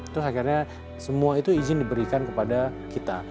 terus akhirnya semua itu izin diberikan kepada kita